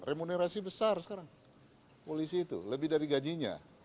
remunerasi besar sekarang polisi itu lebih dari gajinya